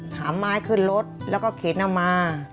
หาไม้ขึ้นรถแล้วก็เข็นเอามา